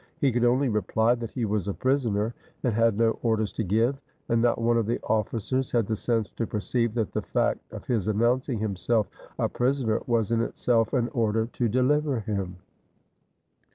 He could only reply that he was a prisoner, and had no orders to give; and not one of the officers had the sense to perceive that the fact of his announcing himself a prisoner was in itself an order to deliver him.